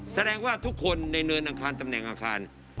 แสดงว่าทุกคนในเนินอังคารตำแหน่งอาคาร